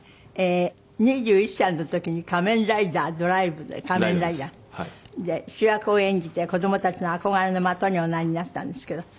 ２１歳の時に『仮面ライダードライブ』で『仮面ライダー』で主役を演じて子供たちの憧れの的におなりになったんですけど。